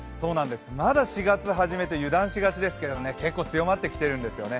まだ４月初めと油断しがちですけど結構強まってきているんですよね。